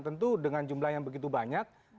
tentu dengan jumlah yang begitu banyak